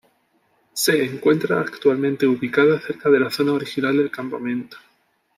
Se encuentra actualmente ubicada cerca de la zona original del campamento.